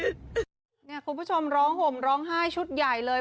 คุณผู้ชมร้องห่มร้องไห้ชุดใหญ่เลย